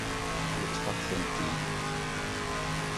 Yeṭṭef-aɣ-tent-id.